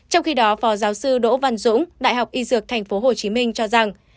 trong khi đó phó giáo sư đỗ văn dũng đại học y dược tp hcm cho rằng